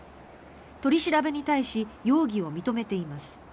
取り調べに対し容疑を認めています。